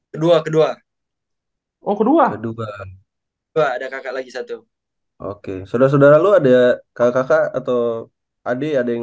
kedua kedua kedua dua ada kakak lagi satu oke sudah saudara lu ada kakak atau adik ada yang